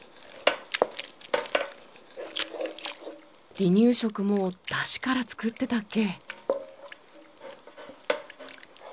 離乳食もだしから作ってたっけ。